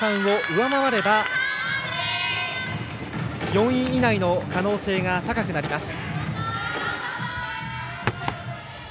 上回れば４以内の可能性が高くなります。